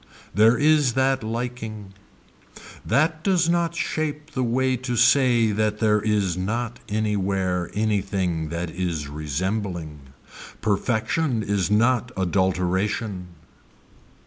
There is that liking. That does not shape the way to say that there is not anywhere anything that is resembling. Perfection is not adulteration.